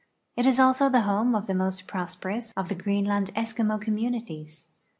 It is also the home of the most prosperous of the Greenland Eskimo communities.